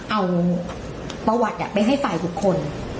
เอาประวัติไปให้ไฟล์ทุกคน